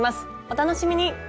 お楽しみに。